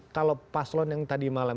kalau paslon yang tadi malam